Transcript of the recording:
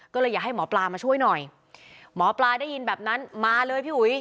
ก็เลยอยากให้หมอปลามาช่วยหน่อยหมอปลาได้ยินแบบนั้นมาเลยพี่อุ๋ย